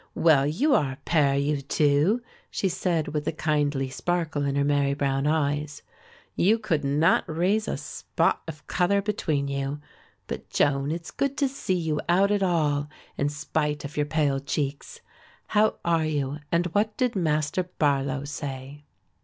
"Well, you are a pair, you two," she said, with a kindly sparkle in her merry brown eyes; "you could not raise a spot of colour between you; but, Joan, it's good to see you out at all, in spite of your pale cheeks. How are you and what did Master Barlow say?"